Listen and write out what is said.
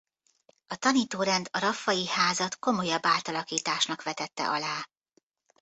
A tanítórend a Raffay-házat komolyabb átalakításnak vetette alá.